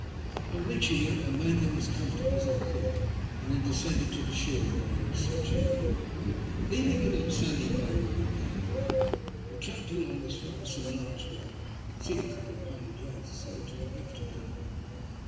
On reaching it I made them aa comfortable as I could and then descended to the shore again in search of food. Leaving the little sandy bay where we had landed, I tramped along as far aa some large rocks I could see a couple of hundred yards or so to my left hand.